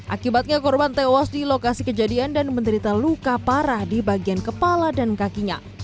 akibatnya korban tewas di lokasi kejadian dan menderita luka parah di bagian kepala dan kakinya